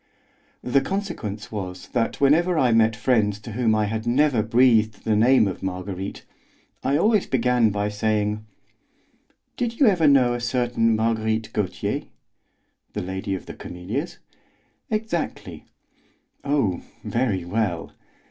The consequence was that whenever I met friends to whom I had never breathed the name of Marguerite, I always began by saying: "Did you ever know a certain Marguerite Gautier?" "The Lady of the Camellias?" "Exactly." "Oh, very well!"